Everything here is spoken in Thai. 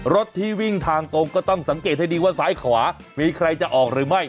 รถที่วิ่งทางตรงก็ต้องสังเกตให้ดีว่าซ้ายขวามีใครจะออกหรือไม่